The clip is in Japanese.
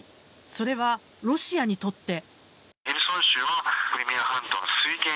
それはロシアにとって。